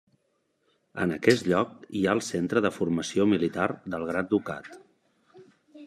En aquest lloc hi ha el Centre de Formació Militar del Gran Ducat.